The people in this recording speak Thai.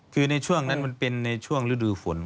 คือในช่วงนั้นมันเป็นในช่วงฤดูฝน